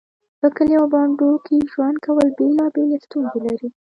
په کليو او بانډو کې ژوند کول بيلابيلې ستونزې لري